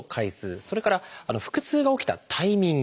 それから「腹痛が起きたタイミング」。